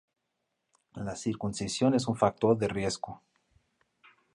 La circuncisión es un factor de riesgo.